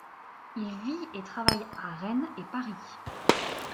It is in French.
Il vit et travaille à Rennes et Paris.